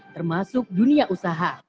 termasuk dunia usaha